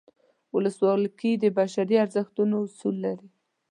ولسواکي د بشري ارزښتونو اصول لري.